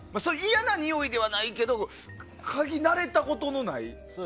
嫌なにおいではないけどかぎ慣れたことのない。